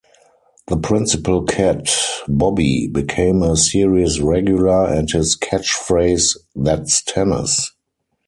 The principal cat, Bobby became a series regular and his catchphrase That's tennis!